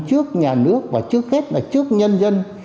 trước nhà nước và trước hết là trước nhân dân